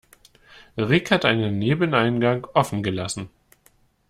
Rick hat einen Nebeneingang offen gelassen.